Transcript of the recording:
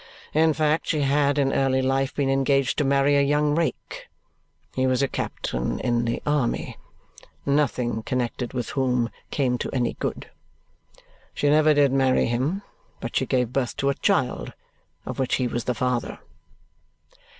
In fact, she had in early life been engaged to marry a young rake he was a captain in the army nothing connected with whom came to any good. She never did marry him, but she gave birth to a child of which he was the father."